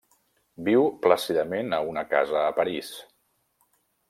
Viu plàcidament a una casa a París.